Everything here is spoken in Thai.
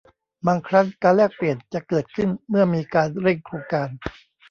บางครั้งการแลกเปลี่ยนจะเกิดขึ้นเมื่อมีการเร่งโครงการ